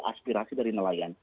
aspirasi dari nelayan